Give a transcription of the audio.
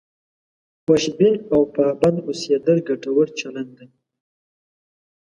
خوشبین او پابند اوسېدل ګټور چلند دی.